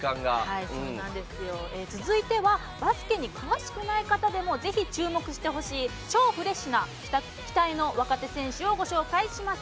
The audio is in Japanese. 続いてはバスケに詳しくない方でもぜひ、注目してほしい超フレッシュな期待の若手選手をご紹介します。